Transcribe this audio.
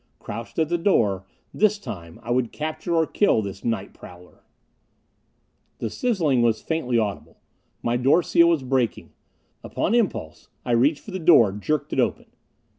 Crouched at the door. This time I would capture or kill this night prowler. The sizzling was faintly audible. My door seal was breaking. Upon impulse I reached for the door, jerked it open.